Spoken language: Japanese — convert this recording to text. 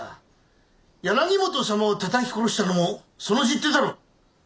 柳本様をたたき殺したのもその十手だろう！